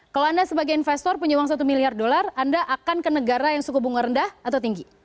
kalau anda sebagai investor punya uang satu miliar dolar anda akan ke negara yang suku bunga rendah atau tinggi